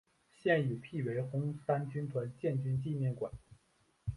现已辟为红三军团建军纪念馆。